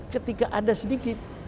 ketika ada sedikit